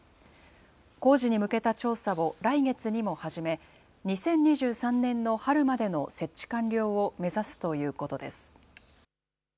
工事に向けた調査を来月にも始め、２０２３年の春までの設置完了を目指すということです。